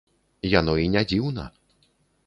Яно і не дзіўна.